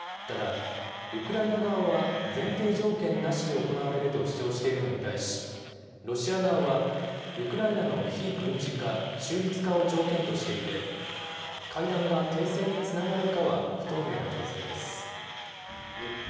ただウクライナ側は前提条件なしで行われると主張しているのに対し、ロシア側はウクライナの非軍事化、中立化を条件としていて会談が停戦につながるかは不透明な情勢です。